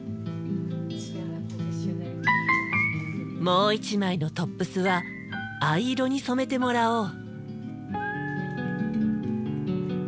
もう一枚のトップスは藍色に染めてもらおう。